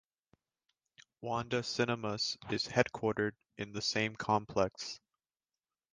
Wanda Cinemas is headquartered in the same complex.